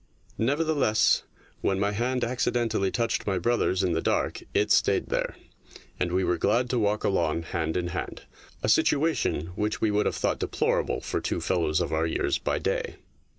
Nevertheless, when my hand acci dentally touched my brother's in the dark it stayed there, and we were glad to walk along hand in hand, a situation which we would have thought deplorable for two fellows of our years by day.